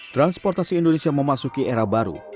transportasi indonesia memasuki era baru